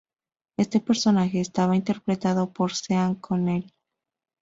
Este personaje estaba interpretado por Sean Connery.